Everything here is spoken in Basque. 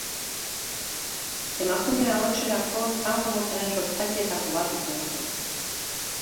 Emakume ahotserako tango motaren sortzailetako bat izan zen.